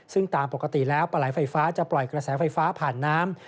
ซึ่งตามปกติแล้วปลาไหลไฟฟ้าจะปล่อยกระแสไฟฟ้าผ่านน้ำ